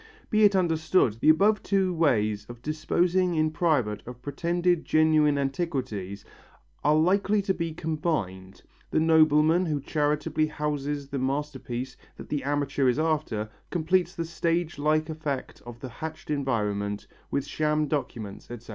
Be it understood, the above two ways of disposing in private of pretended genuine antiquities are likely to be combined. The nobleman who charitably houses the masterpiece that the amateur is after, completes the stage like effect of the hatched environment, with sham documents, etc.